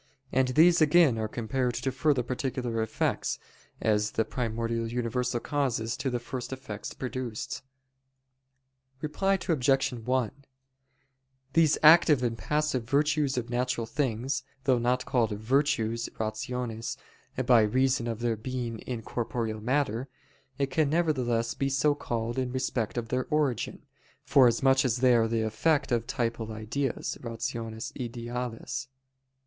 And these again are compared to further particular effects, as the primordial universal causes to the first effects produced. Reply Obj. 1: These active and passive virtues of natural things, though not called "virtues" (rationes) by reason of their being in corporeal matter, can nevertheless be so called in respect of their origin, forasmuch as they are the effect of the typal ideas [rationes ideales].